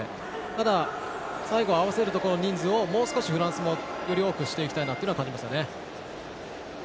ただ、最後合わせるところの人数をもう少しフランスもより多くしていきたいなというのは感じましたね。